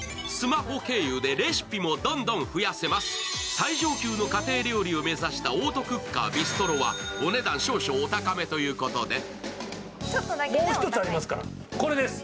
最上級の家庭料理を目指したオートクッカービストロはお値段少々お高めということでもう１つありますから、これです。